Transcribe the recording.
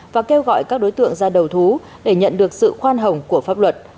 và kêu gọi các đối tượng ra đầu thú để nhận được sự khoan hồng của pháp luật